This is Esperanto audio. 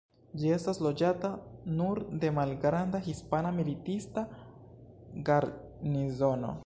Ĝi estas loĝata nur de malgranda hispana militista garnizono.